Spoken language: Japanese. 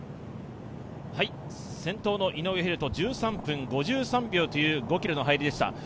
先頭の井上大仁１３分５３秒という５ｋｍの入りでした。